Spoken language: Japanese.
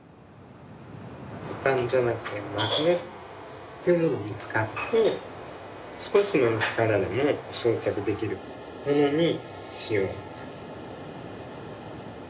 ボタンじゃなくてマグネットを使って少しの力でも装着できるものにしよう。